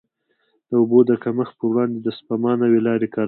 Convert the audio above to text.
د اوبو د کمښت پر وړاندې د سپما نوې لارې کارول اړین دي.